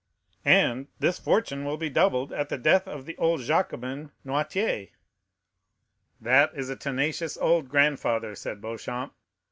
"And this fortune will be doubled at the death of the old Jacobin, Noirtier." "That is a tenacious old grandfather," said Beauchamp.